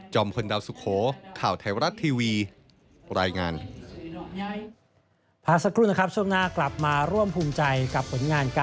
พลดาวสุโขข่าวไทยรัฐทีวีรายงาน